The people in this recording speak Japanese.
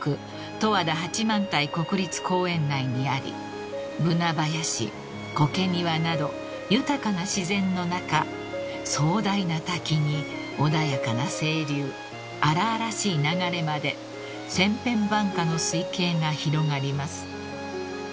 十和田八幡平国立公園内にありブナ林コケ庭など豊かな自然の中壮大な滝に穏やかな清流荒々しい流れまで千変万化の水景が広がります］